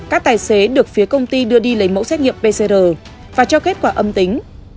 các tài xế được phía công ty đưa đi lấy mẫu xét nghiệm pcr và cho kết quả âm tính